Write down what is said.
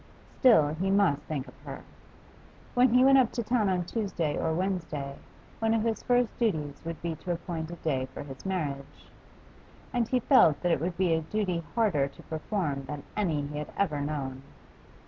Still he must think of her. When he went up to town on Tuesday or Wednesday one of his first duties would be to appoint a day for his marriage. And he felt that it would be a duty harder to perform than any he had ever known.